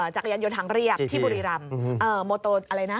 จักรยานยนต์ทางเรียบที่บุรีรำโมโตอะไรนะ